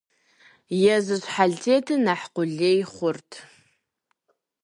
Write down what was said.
Езы щхьэлтетыр нэхъ къулей хъурт.